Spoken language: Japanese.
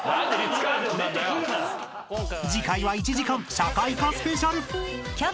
［次回は１時間社会科スペシャル］